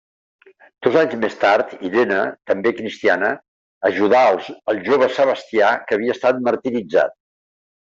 Dos anys més tard, Irene, també cristiana, ajudà el jove Sebastià, que havia estat martiritzat.